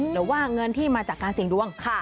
หรือว่าเงินที่มาจากการเสี่ยงดวง